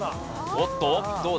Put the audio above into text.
おっとどうだ？